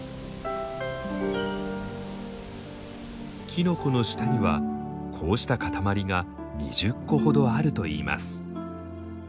キノコの下にはこうした塊が２０個ほどあるといいます。